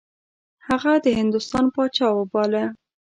هغه د هندوستان پاچا باله.